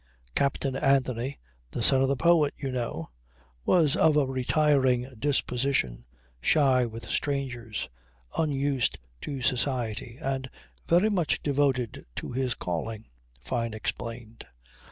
Captain Anthony ("the son of the poet you know") was of a retiring disposition, shy with strangers, unused to society and very much devoted to his calling, Fyne explained.